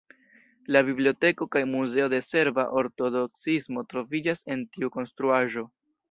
La biblioteko kaj muzeo de serba ortodoksismo troviĝas en tiu konstruaĵo.